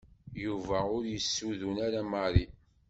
Yuba ur yessuden ara Mary.